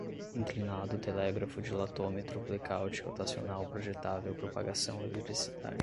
inclinado, telégrafo, dilatômetro, blecaute, rotacional, projetável, propagação, eletricidade